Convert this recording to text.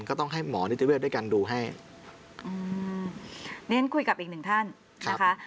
ก็ต้องให้หมอนิจจิเวฟด้วยกันดูให้อืมนี่ฉะนั้นคุยกับอีกหนึ่งท่านครับ